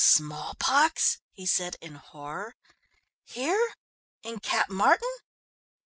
"Smallpox?" he said in horror, "here in Cap Martin?